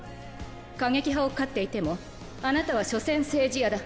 過激派を飼っていてもあなたは所詮政治屋だ。